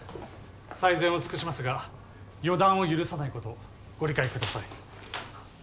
最善を尽くしますが予断を許さないことご理解ください